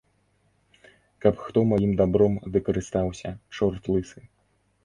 Каб хто маім дабром ды карыстаўся, чорт лысы?